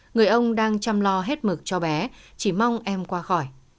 người ông đang chăm lo hết mực cho bé chỉ mong em qua khỏi